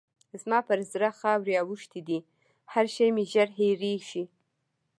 زما پر زړه خاورې اوښتې دي؛ هر شی مې ژر هېرېږي.